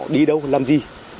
đi đâu làm gì